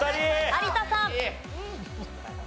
有田さん。